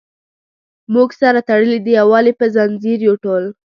موږ سره تړلي د یووالي په زنځیر یو ټول.